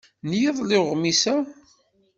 N yiḍelli uɣmis-a.